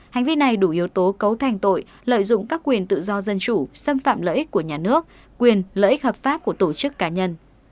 hành vi này đủ yếu tố cấu thành tội lợi dụng các quyền tự do dân chủ xâm phạm lợi ích của nhà nước quyền lợi ích hợp pháp của tổ chức cá nhân